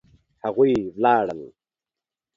هغوی ولاړل